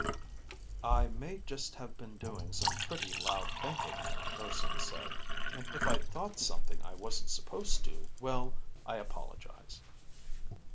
_ "I may just have been doing some pretty loud thinking," Urson said. "And if I thought something I wasn't supposed to, well, I apologize."